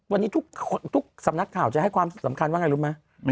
วันนี้ทุกสำนักข่าวจะให้ความสำคัญว่าไงรู้ไหม